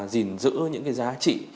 gìn giữ những cái giá trị